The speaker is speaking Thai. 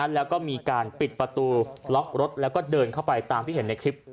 แล้วก็มีการปิดประตูล็อกรถแล้วก็เดินเข้าไปตามที่เห็นในคลิป